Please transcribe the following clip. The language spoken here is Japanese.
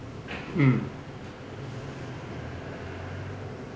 うん。